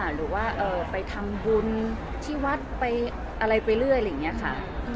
หรือว่าไปทำบุญที่วัดไปอะไรไปเรื่อยอะไรอย่างนี้ค่ะ